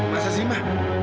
masa sih ma